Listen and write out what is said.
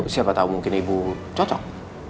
siapa tahu mungkin ibu cocok